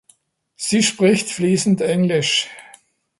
Sie spricht fließend Englisch.